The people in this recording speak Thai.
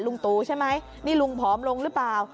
ลุงตู่ใช่ไหมนี่ลุงผอมลงหรือเปล่า